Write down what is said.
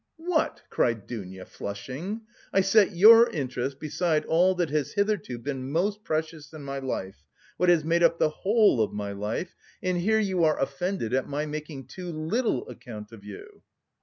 "What!" cried Dounia, flushing. "I set your interest beside all that has hitherto been most precious in my life, what has made up the whole of my life, and here you are offended at my making too little account of you."